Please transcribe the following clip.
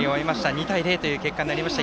２対０という結果になりました。